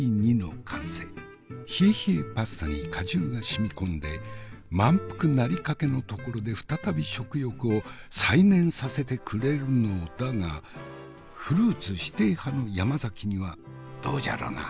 冷え冷えパスタに果汁が染み込んで満腹なりかけのところで再び食欲を再燃させてくれるのだがフルーツ否定派の山崎にはどうじゃろなあ？